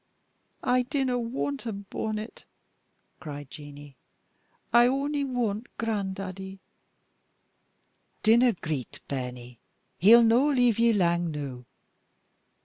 "I dinna want a bonnet," cried Jeanie; "I on'y want gran'daddie." "Dinna greet, bairnie; he'll no leave ye lang noo."